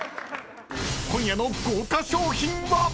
［今夜の豪華賞品は⁉］